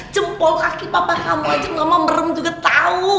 jempol kaki papa kamu aja mama merem juga tahu